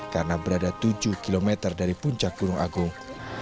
karena berada tujuh km dari puncak gunung agung